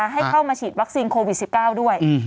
ให้เข้ามาฉีดวัคซีนโควิด๑๙ด้วย